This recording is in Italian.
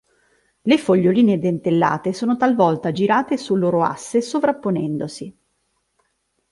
Le foglioline dentellate sono talvolta girate sul loro asse sovrapponendosi.